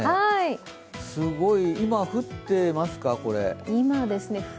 すごい、今降っていますか、これ？